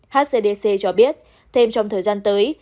hcdc cho biết thêm trong thời gian tới